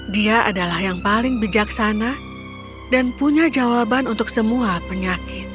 dia adalah yang paling bijaksana dan punya jawaban untuk semua penyakit